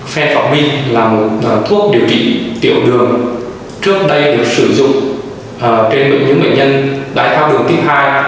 phen phọc minh là một thuốc điều trị tiểu đường trước đây được sử dụng trên những bệnh nhân đai khám đường tiếp hai